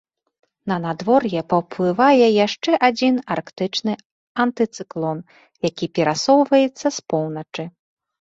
На надвор'е паўплывае яшчэ адзін арктычны антыцыклон, які перасоўваецца з поўначы.